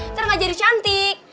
ntar gak jadi cantik